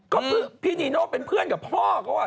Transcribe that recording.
ก็พี่นีโน่เป็นเพื่อนกับพ่อเขา